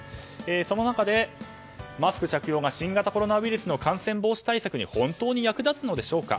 その中で、マスク着用が新型コロナウイルスの感染防止対策に本当に役立つのでしょうか。